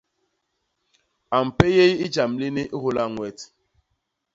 A mpéyéy jam lini i hôla Ñwet.